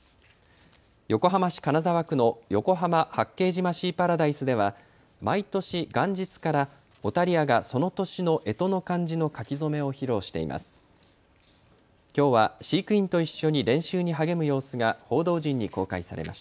横浜市金沢区の横浜・八景島シーパラダイスでは毎年、元日からオタリアがその年のえとの漢字の書き初めを披露しています。